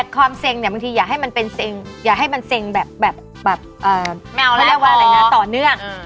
ความเซ็งเนี่ยบางทีอยากให้มันเป็นเซ็งอยากให้มันเซ็งแบบต่อเนื่อง